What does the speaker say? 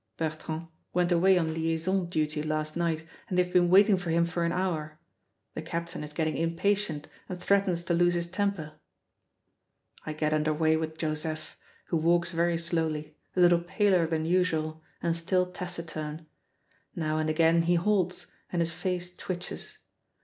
Bertrand went away on liaison duty last night and they have been waiting for him for an hour; the captain is getting impatient and threatens to lose his temper. I get under way with Joseph, who walks very slowly, a little paler than usual, and still taciturn. Now and again he halts, and his face twitches.